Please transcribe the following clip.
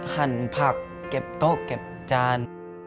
หั่นผักเก็บโต๊ะเก็บจาน